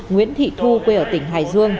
nguyễn thị thu quê ở tỉnh hải dương